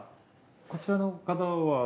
こちらの方は？